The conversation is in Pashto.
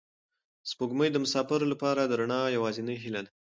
سپوږمۍ د مساپرو لپاره د رڼا یوازینۍ هیله ده.